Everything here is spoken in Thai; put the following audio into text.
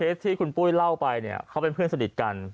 ที่คุณปุ้ยเล่าไปเนี่ยเขาเป็นเพื่อนสนิทกัน